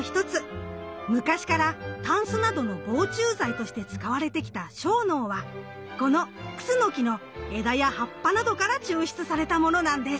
昔からタンスなどの防虫剤として使われてきた樟脳はこのクスノキの枝や葉っぱなどから抽出されたものなんです。